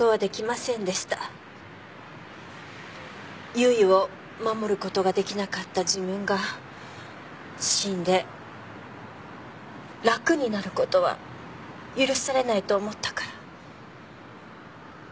結衣を守ることができなかった自分が死んで楽になることは許されないと思ったから。